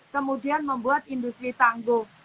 kemudian membuat industri tangguh